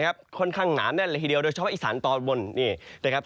ค่อนข้างหนาด้านละทีเดียวโดยเฉพาะอิสรรรดิ์ตอนบน